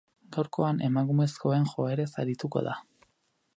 Gaurkoan, emakumezkoen joerez arituko da.